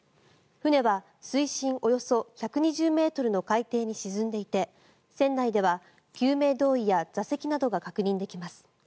船は、水深およそ１２０ｍの海底に沈んでいて船内では救命胴衣や座席などが確認できます。